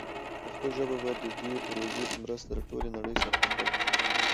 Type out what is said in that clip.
پښتو ژبه به د دې پروژې په مرسته د ټولې نړۍ سره همغږي شي.